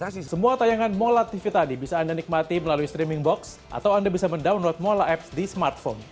terima kasih semua tayangan mola tv tadi bisa anda nikmati melalui streaming box atau anda bisa mendownload mola apps di smartphone